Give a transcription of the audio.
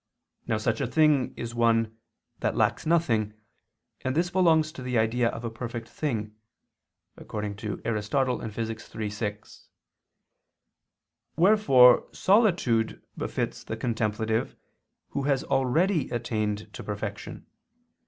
Now such a thing is one "that lacks nothing," and this belongs to the idea of a perfect thing [*Aristotle, Phys. iii, 6]. Wherefore solitude befits the contemplative who has already attained to perfection.